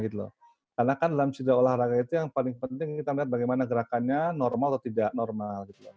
karena dalam cedera olahraga itu yang paling penting kita melihat bagaimana gerakannya normal atau tidak normal